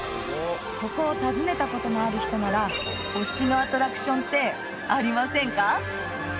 ここを訪ねたことのある人なら推しのアトラクションってありませんか？